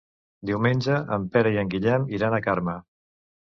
Diumenge en Pere i en Guillem iran a Carme.